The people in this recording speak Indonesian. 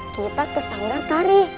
kita kesandar tari